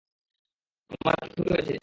তোমার কি ক্ষতি হয়েছে?